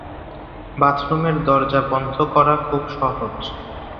বাথরুমের দরজা বন্ধ করা খুব সহজ।